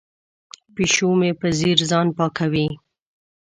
پیشو مې په ځیر ځان پاکوي.